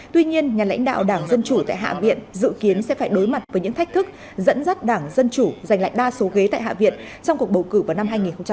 tuy nhiên nhà lãnh đạo đảng dân chủ tại hạ viện dự kiến sẽ phải đối mặt với những thách thức dẫn dắt đảng dân chủ giành lại đa số ghế tại hạ viện trong cuộc bầu cử vào năm hai nghìn hai mươi